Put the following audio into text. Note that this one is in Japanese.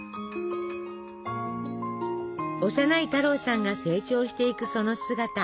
幼い太郎さんが成長していくその姿。